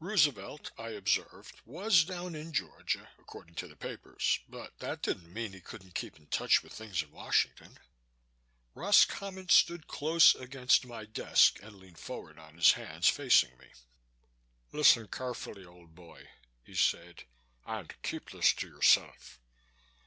Roosevelt, I observed, was down in Georgia, according to the papers, but that didn't mean he couldn't keep in touch with things in Washington. Roscommon stood close against my desk and leaned forward on his hands, facing me. "Listen carefully, old boy," he said, "and keep this to yourself.